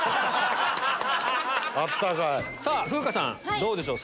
さぁ風花さんどうでしょう？